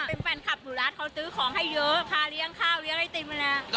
เป็นแฟนคลับอยู่ร้านเขาซื้อของให้เยอะพาเลี้ยงข้าวเลี้ยงไอติมมาเลย